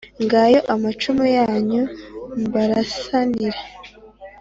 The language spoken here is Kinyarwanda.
Ngayo amacumu yanyu mbarasanira